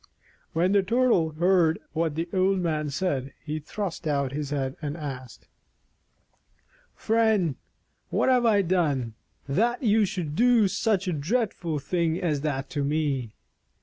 When the Turtle heard what the old man said, he thrust out his head and asked: "Friend, what have II JATAKA TALES I done that you should do such a dreadful thing as that to me?